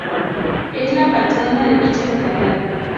Es la patrona de dicha localidad.